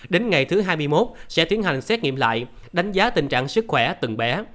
đến ngày thứ hai mươi một sẽ tiến hành xét nghiệm lại đánh giá tình trạng sức khỏe từng bé